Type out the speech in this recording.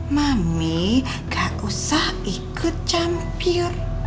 mami gak usah ikut campur